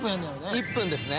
１分ですね